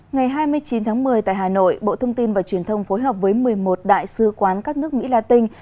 ngày hai mươi chín tháng một mươi tại hà nội bộ thông tin và truyền thông phối hợp với một mươi một đại sứ quán các nước mỹ la tinh